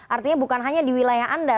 artinya bukan hanya di wilayah anda